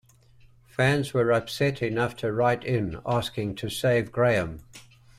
Fans were upset enough to write in, asking to save Graham.